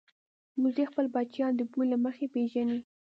وزې خپل بچیان د بوی له مخې پېژني